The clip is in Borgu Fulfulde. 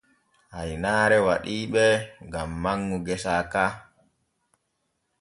Haynaare waɗii ɓe gam manŋu gesa ka.